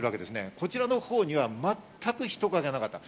こちらのほうには全く人影がなかった。